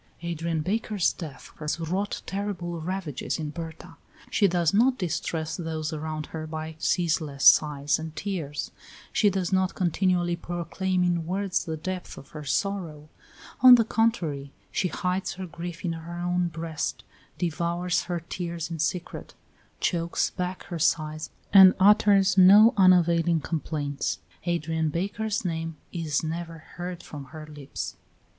Adrian Baker's death has wrought terrible ravages in Berta. She does not distress those around her by ceaseless sighs and tears; she does not continually proclaim in words the depth of her sorrow; on the contrary, she hides her grief in her own breast, devours her tears in secret, chokes back her sighs and utters no unavailing complaints; Adrian Baker's name is never heard from her lips.